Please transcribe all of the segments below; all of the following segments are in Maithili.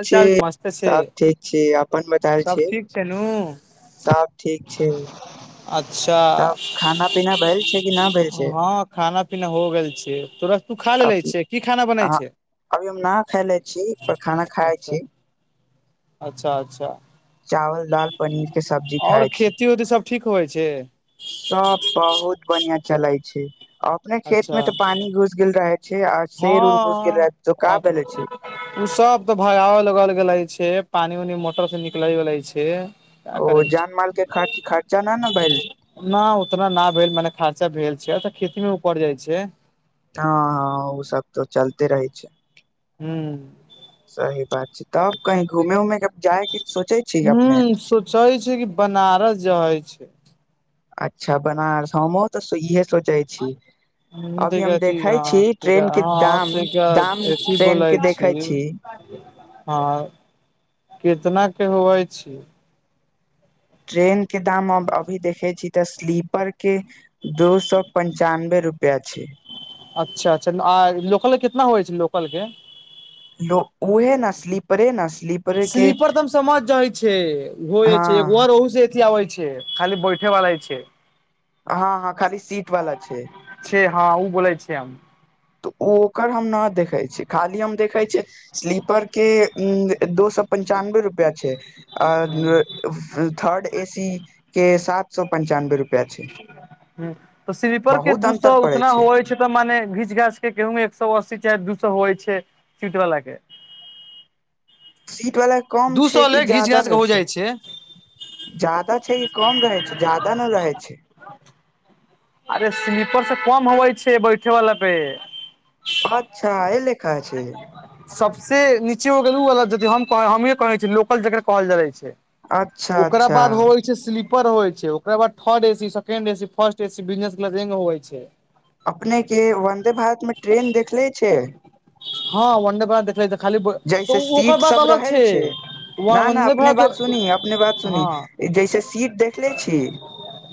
हाल छी चाल मस्त छै सभ ठीक छी अपन बतायल सब छी ठीक छै नू सब ठीक छै अच्छा तब खाना पीना भेल छै कि नहि भेल छै हँ खाना पीना हो गेल छै तुरत तू खा ले ले छियै की खाना बनैइ छै अभी हम ना खायले छी पर खाना खाइब अच्छा अच्छा चावल दाल पनीरके सब्जी आओर खाय छी खेती उती सब ठीक होइ छै सब बहुत बन्हियां चलैए छे अपने खेत अच्छा मे तऽ पानी घुसि गेल रहै छे आ शेर उर घुस गेल हँ रहे तो का अब भेले छै तू सब तऽ भाया कलगल गेलैइ छे पानि ऊनी मोटर से निकलइ गेलैइ छे ओ जान माल के खर्चा न न भईल न उतना ना भेल माने खर्चा भेल छै खेती मे ऊपर जाइ छै हँ हँ ओ सब तऽ चलते रहैइ छै हूँ सही बात छै तब कहीं घूमे उमे कब जाइ हूँ सोचै छी कि बनारस जाई छी अच्छा बनारस हमहुँ तऽ इहे सोचैय छी ह तै अभी हम छी देखै ह ट्रेन के हँ दाम तै दाम अथी ट्रेन बोलै के छी देखै [unintelligible] हाँ केतना के हुवए छी ट्रेन के दाम अब अभी देखै छी तऽ स्लीपर के दू सौ पंचानबे रूपया छै अच्छा अच्छा आ लोकल कितना होइ छैए लोकल के लो उहे ने स्लीपरे ने स्लीपरे के स्लीपर त हम समझ जाइ छे गोये हँ छैइ एगो सीट आवै छे खाली बैठे वला [unintelligible] छै हां हां खाली सीट वाला छे हां ओ बोलय छी आ तऽ ओ ओकर हम न देखैछी खाली हम देखैई छिअइ स्लीपर के दो स पञ्चानबे रुपया छे अ ह थर्ड ए सी के सात सौ पञचानबे रुपए हूंअ् तऽ स्लीपर के बहुत दू स अन्तर पड़ै उतना छै होइ छैय तऽ माने घीच घाच के गेहूमे एक सए अस्सी चाहे दू सए होइ छैय सीट वला के सीट वाला कम दू छैइ सए कि ले घीच जादा घाच के रहै हो छैय जाइ छै जादा छैइ कि कम रहैइ छैइ ज्यादा न रहैए छैइ अरे स्लीपर सब कम होवै छैइ बैठे वाला बेड अच्छा ए ले सबसे नीचे कहे छ छीै लोकल जकरा कहल जा छै [unintelligible] [unintelligible] अच्छा ओकरा अच्छा बाद होइ छैय स्लीप पर हो छैय ओकरा बाद third A C second A C first A C business होइ छैय अपने के वन्दे भारत में ट्रेन देखले छैय हंअ् वंदेभारत देखले खाली तऽ ओकर बात अलग छैय ना ना अपने बात सुनी अपने बात सुनी हँ जैसे सीट देखले छी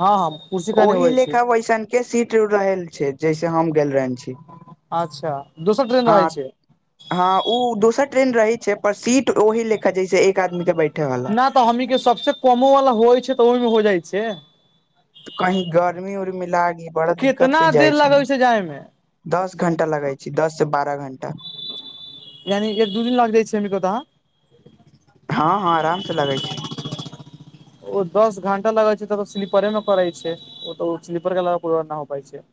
हँ हम कुर्सी खाने ओहि होइ छी लेखा बैसन के सीट रहल छै जैसे हम गेल रह छी अच्छा दोसर ट्रेन रहै ह छै हँ ओ दोस ट्रेन रहै छै जैसे एक आदमी के बैठे वाला नहि तऽ हमीे सबस कमो वाला होइ छै तऽ ओहिमे होइ जाइ छै तऽ कहीं गर्मी उर्मी लागी बड़ा दिक्कत कितना होय देर जाइ छै लगै जाय मे दस घण्टा लगै छै दस सँ बारह घण्टा यानि एक दू दिन लाग जाइ छै अमी के ओता कता हँ हँ आराम से लगै छै ओ दस घं्टा लगै छै त स्लीपरे मे करै छै ओ तऽ ओ स्लीपर के ल नहि हो पा छै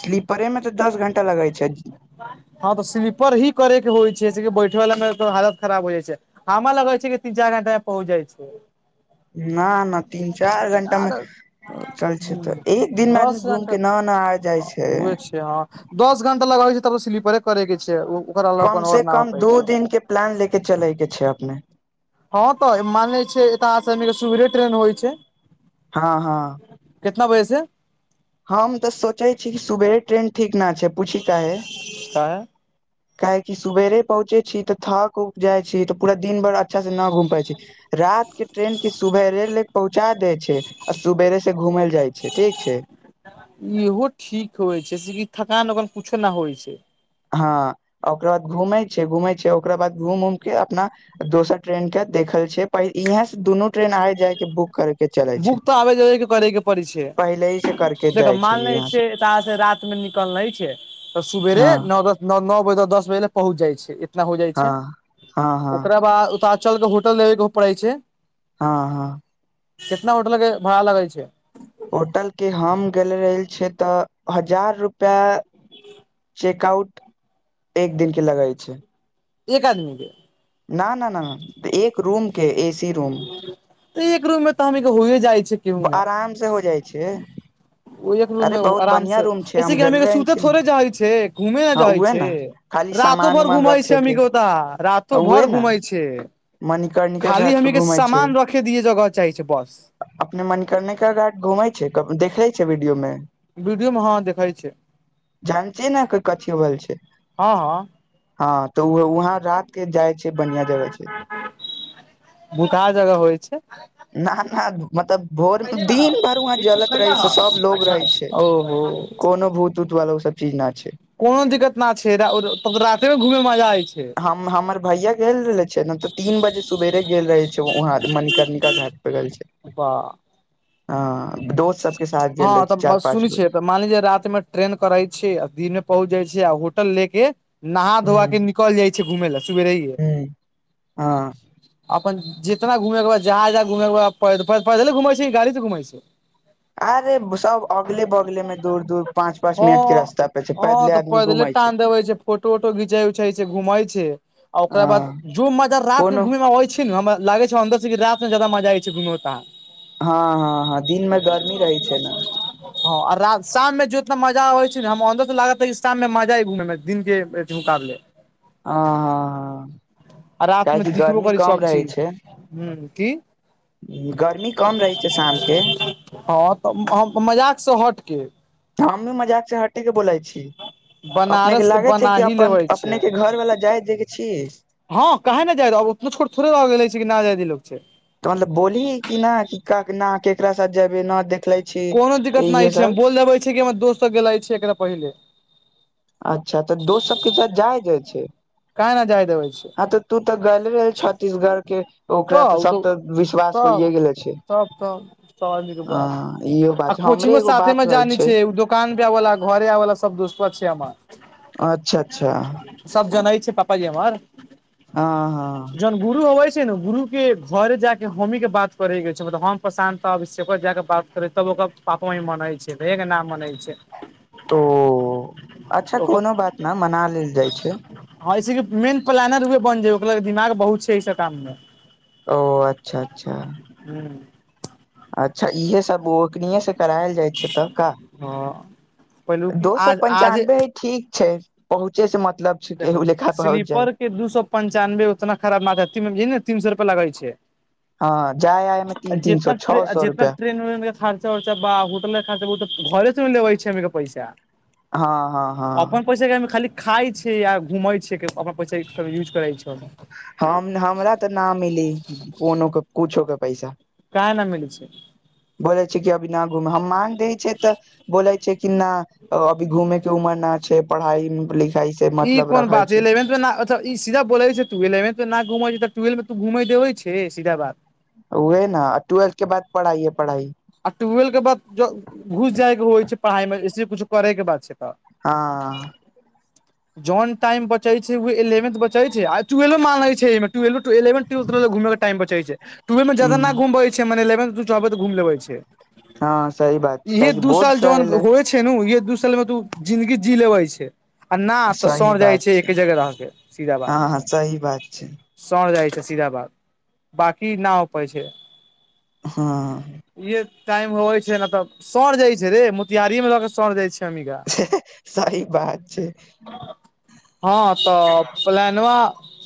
स्लीपरे मे तऽ दस घं्टा लगैत छै हँ तऽ स्लीपर ही करे के होइ छै बैठे वला मे हालत खराब हो जाइ छै ह लग कहै छै तीन चार घंटा पहुँच जाइ छै न न तीन चार घं्टा मे आर चल छै तऽ एक दिन मे आदमी घूम के न न आ जाइ ह छै उहे छै हँ दस घंटा लगाबै छै तब स्लीपरे करे के छै ओ [unintelligible] कम से कम दू दिन के प्लान लेके चलैके छै अपने हँ तऽ मान ले छै एतय सुवेरे ट्रेन होइ छै हँ हँ कितना बजे से हम तऽ सोचै छी कि सुबेरे ट्रेन ठीक न छै पूछि काहे काहे काहे कि सवेरे पहुँचे छी तऽ थक उऊप जाय छी तऽ पूरा दिन भरा अच्छा से न घूम पाब छै रात के ट्रेन के सुबेरे ले पहुँचा दै छै आ सुवेरे से घूम लए जाइ छै ठीक छै इहो ठीक होइ छै से कि थकान ओकान कुछो नहि होइ छै हँ ओकरा बाद घूमे छै घूमे छै ओकरा बाद घूम उम के अपना दोसर ट्रेन के देख देखल छै प इहे से द दुन ट्रेन आय जाय के बुक कर बुक तऽ आबे जेबैके करैके पड़ै छै पहिले ही से करके देख जाइ छै मानले यहाँ से छियै त से रात मे निकल नहि छै तऽ सुबेरे हँ नओ दस नओ बजे त दस बजे ले पहुँच जाइ छै इतना हो जाइ छै हँ हँ हँ ओकरा बाद उता चलके होटल लेबय के पड़ै छै हँ हँ कितना होटल भाड़ा लगै छै होटल के हम गेल रहल छियै तऽ हजार रुपआ चेकआउट एक दिन के लगै छै एक आदमी के न न न एक रूम के ए सी तऽ एक रूम मे तऽ हम के होए जाइ छै केहू ने आरामसँ हो जाइ छै ओ एक रूम मे अरे बहुत आराम बढ़िया से रूम छै ऐसे हम क गेल ह रहे सुते छी ने थोड़े जाइ छै घूमे न हँ जाइ उहे छै ने खाली रातो सामान भर उमान घुमाै छै रखे अमी के ओता रातो भर उहे ने घुमाइ छै मणिकर्णिका खाली घाट पे हमी के घूमे छै सामान रखे दिय जगह चाही छै बस अपने मन करने के घा घूमे छै देखे छै वीडियो मे वीडियो मे हँ देखइ छै जान छिय ने कथी होल छै हँ हँ हँ तऽ वहाँ रात के जाइ छै बढ़िआँ जगह छै भूखा जगा होइ छै न ना मतलब भोर दिन भरि वहाँ जलत रहै छै सब लोग रहै छै ओहो कोनो भूत उत वाला ओ सब चीज न छै कोनो दिक्कत न छै रातेमे मे घूमे मे मजा आय छै हम हमर भैया गेल रहले छै ने तऽ तीन बजे सुबेरे गेल रहे छै वहााँ मणिकर्णिका घाट तप कल छै तऽ ह हँ तऽ बस सुन गो छियै त मान रा मे ट्रेन करै छै दिन मे पहुँच जाइ छै होटल लेके नहा धोआ ह के निकल जाइ छै घुमे ले सुेरे हे ह हँ अपन जितना घूमे के ब जहा जहाँ घूमे के पैदले घुमे छै गाड़ी से घुमे छै अरे सब अगले बगले में दूर दूर पाँच पाँच मिनट के हँ रास्ता पे छै हँ पदले तऽ आदमी घुमा पैदले टान देबै छै फोटो उटो घिचै उचै छै घूमै छै आ ओकरा बाद हँ जो मजा रात मे कोनो घूमे मे आबै छै ने हमरा लागे छै अर से र जादा मजाइ छै घुमो त हँ हँ हँ दिनमे गर्मी रहैत छै ने हँ शाम मे जो उतना मजा आबै छै ने हम अन्दर त लागत शाम मे मजा ह घूम मे दिन के हले हँ हँ हँ आ रात मे काहकि दिखबो गर्मी करी कम सब रहै चीज छै ह की गर्मी कम रहै छै शामके हँ तऽ मजाक से हटके हमी मजाक से हटी के बोलै छी बनारस अपनेके के लागैत हे बना कि ही अपन लेबे छै अपनेके घरवलाा जाय देय के छीिय हँ के ने जाय ओतना छोट थोड़े रह गेले छै कि न जायद लोक छै तऽ मतलब बोली कि नहि कि न ककरा साथ जाब न देख कोनो दिक्कत नहि छै हम बोल देबै छिय कि हमर दोस्तसभ गेलिय एकरा पहिले अच्छा तऽ दोस्त सबके सा जाय जाइ छै काहे न जाय देबै छै हँ तऽ त तऽ गे रहे छत्तीसगढ़ के ओकरा तऽ सब तऽ विश्वास तब होइए गेलो छै तब तब सब आदमी के ह बाप इहो आ बात हमरे कोचिंगो एगो साे बात में होइ जानी छै दोकान पे आवा घरे आवा सब्त अच्छा अच्छा सब जै छै पापाजी हमर हँ हँ जन गुरु हब छै ने गुरु के घरे जााक हमहीं के बात करे के छै मतलब हम प्रशानता अभिषकर जाक बात करे तब ओकर पापा मनै छै भेग न मनै छै [unintelligible] ओ अच्छा ओकर कोनो बात नहि मना लेल जाइ छै हँ ऐसे कि मेन प्लानर उहे बन जे ओकर दिमाग बहुत छै ई सब काम मे ओ अच्छा अच्छा हूँ अच्छा इह सब करायल जाइ छै तऽ का हँ पहिलुकी दो सए आज आजे पंचानबे हय ठीक छै कहहुँचे से मत देखो स्लीपर के दू सए पञ्चानबे उतना खराब नाथ ती तीन सए लगाय छै हँ जाय आय मे तीन तीन सौ जितना छओ सौ जितना रुपआ ट्रेन उेन खर्चा उर्चा बा होटल खर्चा ब त घरे त लेबै छ के पैसा हँ हँ अपन हँ पैसा के हममे खाली खााय छै या घूम छै अपना पैसा यूज करै छै हम हमरा तऽ न मिली कोनो के कुछो के पैसा आ ने मिल छै बोले छै अभी न घूमे हम मांग रहे छै तऽ बोले छै कि न अभी घूमे के उमर न छै से पढ़ाइ लिख लिखाई ई कोन बात छै इलेंथ पे ई सीधा बोलै छै तू इलेंथ पे न घुम टेल मे त घुमै देबे छै सीधा बात ओएह न ट्वेल्थ के बाद पढ़ाइए पढ़ाइ आ ट्वेल्व के बाद ज घुस जायके होइ छै पढ़ाईमेस कछु करयके बात छै तऽ हँ जॉन टाइम बचै छै उहे एलेवेंथ बचै छै आ ट्वेलो मानलै छै एमे ट्वेलो एलेवेन ट्वेल्थ रहलक त घुमे के टाइम बचै छै त उहेमे ज्यादा ना ह घुमबै छै मने एलेवेन्थ में चाहबै त घुम लेबे छै हँ सही बात छै इहे काहेकि दू बोर्ड साल स जन एलै हो छै नु इहे दू साल मे तू जिंन्दगी जी लेबय छै आ ना तऽ सही सड़ जाइ बात छै एके जगह रहके सीधा बात हँ हँ सही बात छै सड़ जाइ छै सीधा बात बाकी न हो पै छै हँ इहे टाइम होवे छै न त सड़ जाय छै रे मोतिहारीये में रह के सड़ जाय छै हमनी का हे हे सही बात छै हँ तऽ पलैनवा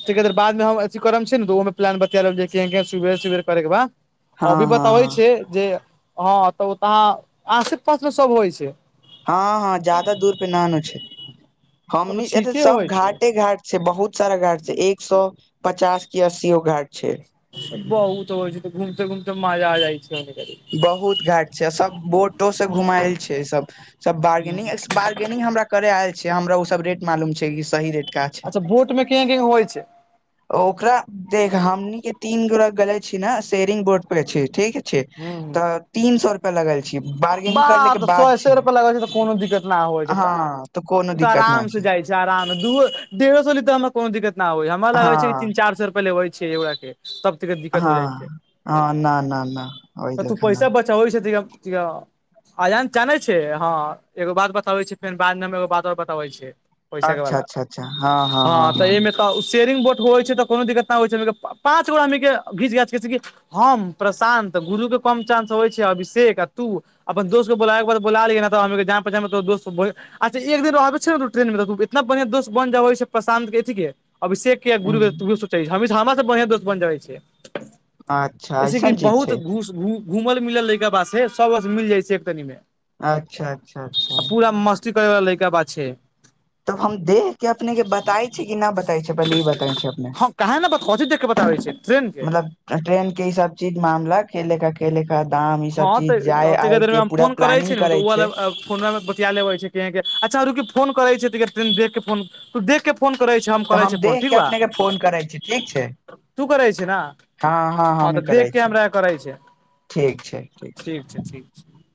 तैका देर बाद मे हम अथि करम छे नु ओमे प्लान बतिया लेब जे कें कें सुबेरे सुबेरे करे के बा हँ अभी बताबै हँ छै जे हँ तऽ ओत हँ आसे पास मे सब होइ छै हँ हँ ज्यादा दूर पे नानु छै तब हमनी एत ठीके सब होइ घाटे छै घाट छै बहुत सारा घाट छै एक सौ पचास की अस्सी गो घाट छै बहुत होइ छैय तऽ घुमते घुमते मजा आ जाइ छैय। बहुत घाट छैय आ सब बोटो से घुमायल छैय सब सब बारगेनिंग बारगेनिंग हमरा करे आयल छै हमरा ओ सब रेट मालूम छै सही रेट का छै अच्छा बोट मे केहन केहन होइ छै ओकरा देख हमनी के तीन गोरा गले छी न सेयरिंग बोर्ड पे छी ठीक छै तऽ तीन सौ रुपआ लगल छै बारगेनिंग करेला बाह के तऽ बाद सए सए छै रुपआ लगै छै तऽ कोनो दिक्कत न होइ छै हँ बाह तऽ कोनो ओ दिक्कत न आराम से छै जाइ आराम दूओ डेढ़ो सौ लीत हमरा कोनो दिक्कत होई हमरा लागे छै कि तीन हँ चार सौ रुपया लेबै छै एक गोरा के तब तैका दिक्कत हो हँ जाइ छै हँ न न न ओहि त तू लेखा न पैसा बचाबै छै कि अ अयान चा नै छे हँ एगो बात बताबै छे फेर बादमे हम एगो बात और बताबै छै पैसा के वाला हँ तऽ एहिमे त उ स् टेरिंग बोट होइ छै तऽ कोनो दिक्कत नहि होइ छै पाँच गोरा हमनी के घीच घाघ कहे छैकी हम प्रशानं त गुरु के कम चांस होइ छै अभिषेक आ तू अपन दोस्त के बोलाय के बा त बोला लिय न तऽ हमनि के जान पेहचान में तोहर अच्छा एक दिन रहबै छै न तु ट्रेन मे त इतना बढ़िआं दोस बनजाबै छै प्रशांतके अथि के अभिषेक के या गुरु के हँ तूहे सोचैछे हमरा से बढ़ियां दोस्त बन जाइ छै अच्छा अऐसन चीज छ घुस घु घूमल मिलल लैकेा बासे सबस मिल जाइ छैय एक तनी मे। अच्छा अच्छा अच्छा पूरा मस्ती लैका बा छैय। तब हम देख के अपने के बताय छैय कि नहि बताय छैय पहिले ई बताय छैय अपने। हँ काहे ने बता कथी देख के बताबै छै ट्रेन के मतलब ट्रेन के ई सब चीज मामला खेले का खेले का हँ तऽ अ तैका देर मे हम पूरा फोन करे छी प्लानिंग नु त करै उ वला छै फोनवा मे बतिया लेबे छैय केके अच्छा रुकिए फोन करै छैय तैका तनि देख के फोन तू देख के फोन फोन करै छे हम तऽ करै छेय फ़ोन देख के ठीक बा। अपने के फोन करै छी ठीक छै तू करै छे ना हँ हँ ह हमी तऽ करै देख के छी हमरा के करै छैय। ठीक छैय। ठीक छैय ठीक छैय।